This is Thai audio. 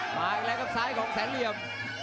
มาอีกแล้วครับซ้ายของแสนเหลี่ยม